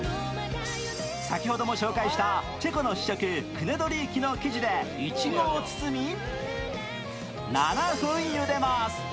先ほども紹介したチェコの主食、クネドリーキの生地でいちごを包み、７分ゆでます。